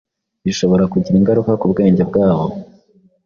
bishobora kugira ingaruka ku bwenge bwabo